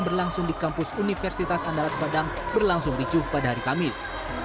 berlangsung di kampus universitas andalas padang berlangsung ricuh pada hari kamis